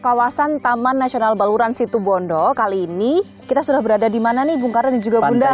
kawasan taman nasional baluran situbondo kali ini kita sudah berada di mana nih bung karno dan juga bunda